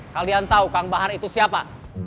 kalian tahu kang bahar itu siapa